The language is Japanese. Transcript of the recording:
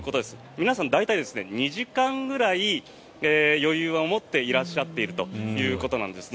皆さん、大体２時間ぐらい余裕を持っていらっしゃっているということです。